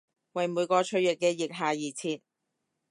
為每個脆弱嘅腋下而設！